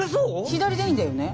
左でいいんだよね？